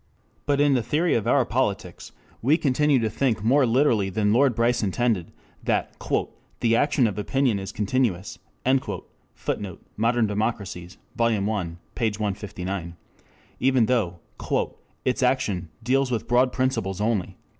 But in the theory of our politics we continue to think more literally than Lord Bryce intended, that "the action of Opinion is continuous," [Footnote: Modern Democracies, Vol. I, p. 159.] even though "its action... deals with broad principles only."